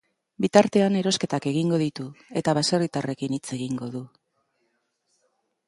Bitartean erosketak egingo ditu eta baserritarrekin hitz egingo du.